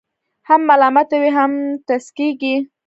هم ملامته وي، هم ټسکېږي.